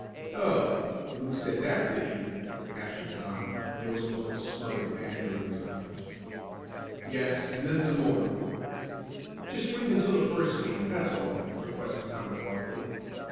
"Oh, Luke said that, did he?" asked Tom, and there was a look of smothered anger in his eyes. "Yes, and then some more." "Just wait until the first game that's all," requested Tom quietly.